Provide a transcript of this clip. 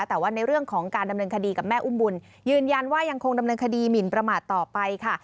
แต่ว่าในเรื่องของการดำเนินคดีกับแม่อุ้มบุญยืนยันว่ายังคงดำเนินคดีหมินประมาทต่อไปค่ะ